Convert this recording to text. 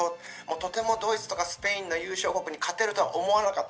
とてもドイツとかスペインの優勝国に勝てるとは思わなかった。